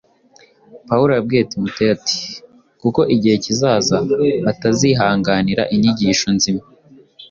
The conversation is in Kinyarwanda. Pawulo yabwiye Timoteyo ati: “Kuko igihe kizaza batazihanganira inyigisho nzima,